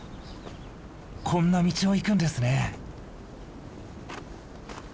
こんな道を行くんですね。